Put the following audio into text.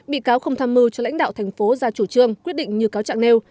bị cáo không tham mưu cho lãnh đạo thành phố ra chủ trương quyết định như cáo trạng nêu